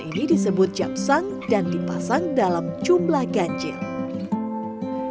selain itu keberadaan japsang juga diyakini sebagai penolak bala dan energi negatif